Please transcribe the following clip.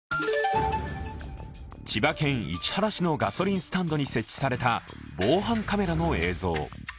千葉県市原市のガソリンスタンドに設置された防犯カメラの映像。